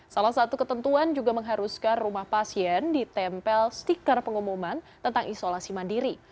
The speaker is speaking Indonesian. salah satu ketentuan juga mengharuskan rumah pasien ditempel stiker pengumuman tentang isolasi mandiri